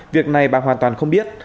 việc này bà hoàn toàn không biết